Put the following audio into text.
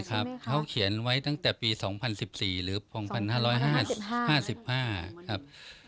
เขาเขียนไว้ตั้งแต่ปี๒๐๑๔หรือ๒๕๕๕ครับ